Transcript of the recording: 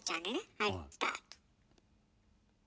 はいスタート。